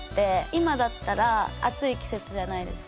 今だったら暑い季節じゃないですか。